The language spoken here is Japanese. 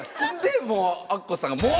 もうアッコさんが。